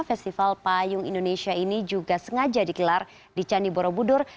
festival payung indonesia ini juga sengaja dikelar di candi borobudur